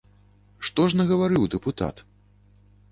Што ж нагаварыў дэпутат?